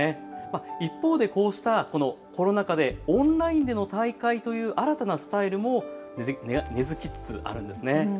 一方でこうしたコロナ禍でオンラインでの大会という新たなスタイルも根づきつつあるんです。